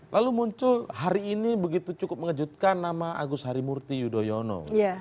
lalu muncul hari ini begitu cukup mengejutkan nama agus harimurti yudhoyono